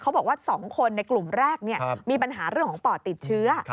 บอกว่า๒คนในกลุ่มแรกมีปัญหาเรื่องของปอดติดเชื้อ